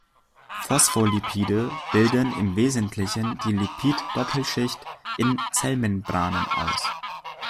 Phospholipide bilden im Wesentlichen die Lipiddoppelschicht in Zellmembranen aus.